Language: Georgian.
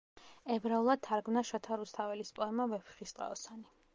ებრაულად თარგმნა შოთა რუსთაველის პოემა „ვეფხისტყაოსანი“.